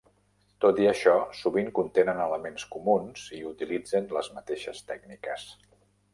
Tot i això, sovint contenen elements comuns i utilitzen les mateixes tècniques.